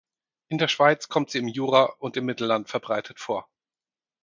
In der Schweiz kommt sie im Jura und im Mittelland verbreitet vor.